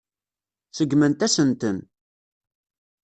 Seggment-asen-ten.